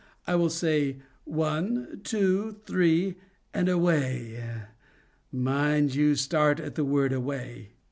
I will say 'one, two, three, and away.' Mind you, start at the word 'away.